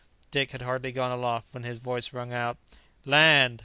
Dick had hardly gone aloft when his voice rung out, "Land!